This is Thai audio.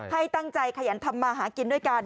ให้ตั้งใจขยันทำมาหากินด้วยกัน